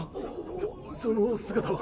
そそのお姿は？